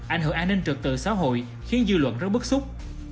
ảnh hưởng an ninh trực tự xã hội khiến dư luận rất bức xúc